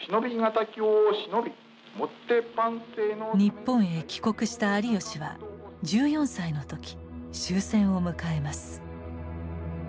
日本へ帰国した有吉は１４歳の時終戦を迎えます。